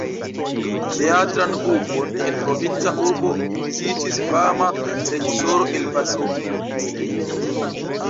Teatran grupon en provinca urbo vizitis fama reĝisoro el Varsovio...